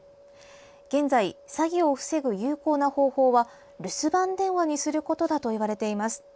現在、詐欺を防ぐ有効な方法は留守番電話にすることだといわれています。